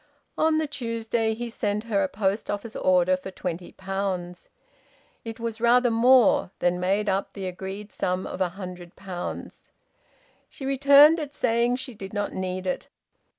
On the Tuesday he sent her a post office order for twenty pounds. It rather more than made up the agreed sum of a hundred pounds. She returned it, saying she did not need it.